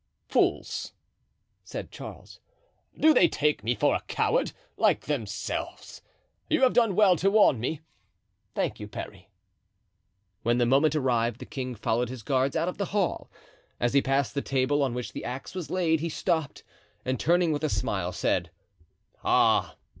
"Fools," said Charles, "do they take me for a coward, like themselves? You have done well to warn me. Thank you, Parry." When the moment arrived the king followed his guards out of the hall. As he passed the table on which the axe was laid, he stopped, and turning with a smile, said: "Ah!